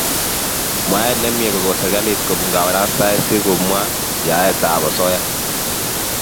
mwaet nemiee kokon serikslit kopun kaparastaet ,si kumwaa yaet ap osoya